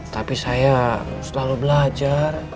tapi saya selalu belajar